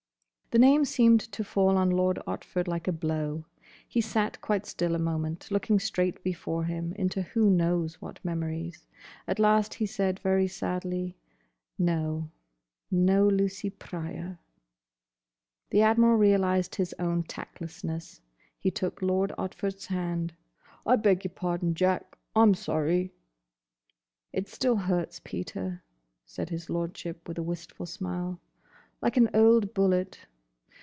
The name seemed to fall on Lord Otford like a blow. He sat quite still a moment, looking straight before him into who knows what memories. At last he said very sadly, "No. No Lucy Pryor." The Admiral realised his own tactlessness. He took Lord Otford's hand. "I beg your pardon, Jack. I 'm sorry." "It still hurts, Peter," said his Lordship with a wistful smile. "Like an old bullet.